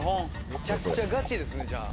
めちゃくちゃガチですねじゃあ。